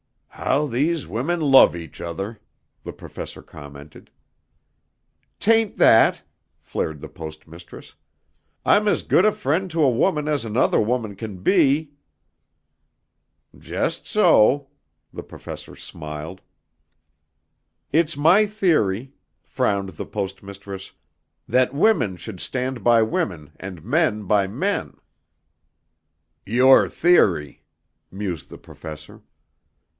"How these women love each other," the Professor commented. "'Tain't that," flared the Post Mistress. "I'm as good a friend to a woman as another woman can be...." "Just so," the Professor smiled. "It's my theory," frowned the Post Mistress, "that women should stand by women and men by men...." "Your Theory," mused the Professor.